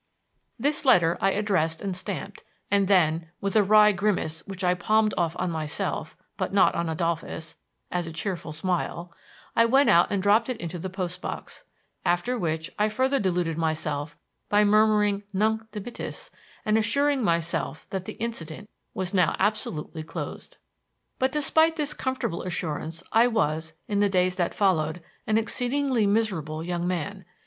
This letter I addressed and stamped, and then, with a wry grimace which I palmed off on myself (but not on Adolphus) as a cheerful smile, I went out and dropped it into the post box; after which I further deluded myself by murmuring Nunc dimittis and assuring myself that the incident was now absolutely closed. But despite this comfortable assurance I was, in the days that followed, an exceedingly miserable young man.